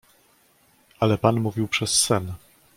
"„Ale pan mówił przez sen."